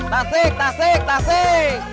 tasik tasik tasik